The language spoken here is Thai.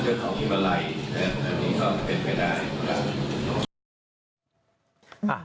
ก็จะทุกข่างไม่หน้าเปล่า